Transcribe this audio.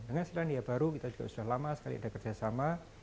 dengan selandia baru kita juga sudah lama sekali ada kerjasama